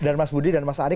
dan mas budi dan mas ari